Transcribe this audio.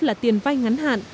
là tiền vay ngắn hạn